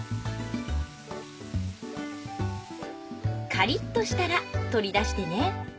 カリッとしたら取り出してね。